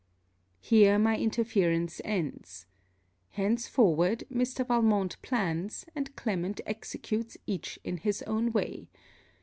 Here my interference ends. Henceforward, Mr. Valmont plans and Clement executes each in his own way.